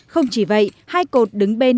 không chỉ vậy hai cột đứng bên